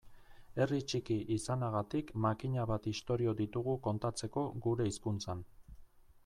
Herri txiki izanagatik makina bat istorio ditugu kontatzeko gure hizkuntzan.